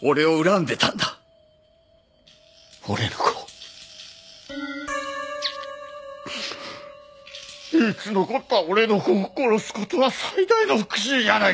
唯一残った俺の子を殺す事は最大の復讐じゃないか。